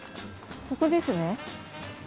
ここですね。